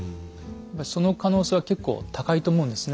その可能性は結構高いと思うんですね。